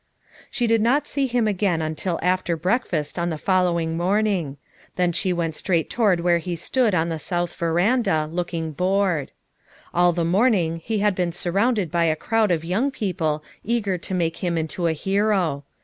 She did not see him again until after break fast on the following morning; then she went straight toward where he stood on the South veranda, looking bored. All the morning he had been surrounded by a crowd of young people eager to make him into a hero.